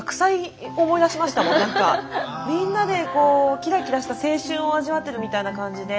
みんなでこうキラキラした青春を味わってるみたいな感じで。